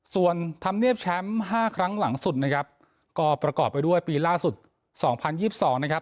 ส่วนทำเนียบแชมป์ห้าครั้งหลังสุดนะครับก็ประกอบไปด้วยปีล่าสุดสองพันยี่สิบสองนะครับ